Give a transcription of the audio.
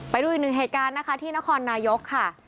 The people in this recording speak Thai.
ไปดูอีกหนึ่งเหตุการณ์นะคะที่นครนายกค่ะ